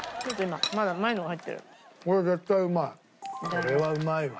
これはうまいわ。